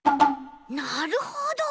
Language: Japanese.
なるほど。